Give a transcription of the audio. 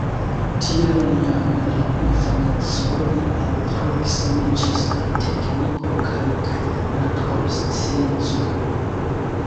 Tial jam en la infaneco li alproksimiĝis al tekniko kaj naturscienco.